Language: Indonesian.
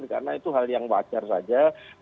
karena itu hal yang wajar saja